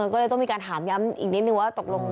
ก็เลยต้องมีการถามย้ำอีกนิดนึงว่าตกลง